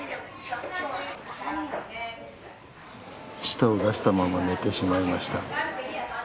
舌を出したまま寝てしまいました。